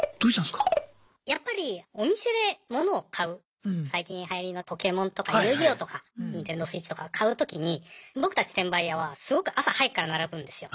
やっぱりお店で物を買う最近はやりのポケモンとか遊戯王とかニンテンドースイッチとか買うときに僕たち転売ヤーはすごく朝早くから並ぶんですよ。